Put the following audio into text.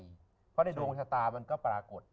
เพราะในดวงชะตามันก็ปรากฏ